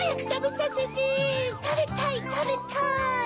たべたいたべたい。